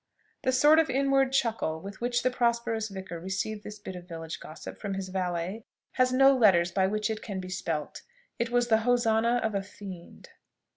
The sort of inward chuckle with which the prosperous vicar received this bit of village gossip from his valet has no letters by which it can be spelt; it was the hosannah of a fiend.